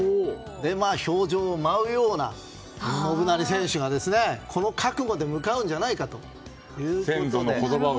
氷上を舞うような織田信成選手がこの覚悟で向かうんじゃないかということで。